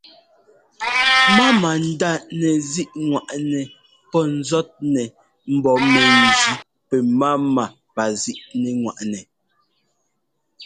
Máma ndá nɛzíꞌŋwaꞌnɛ pɔ́ ńzɔ́tnɛ mbɔ̌ mɛgí pɛ́máma pazíꞌlíkŋwaꞌnɛ.